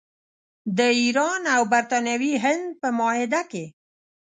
د ایران او برټانوي هند په معاهده کې.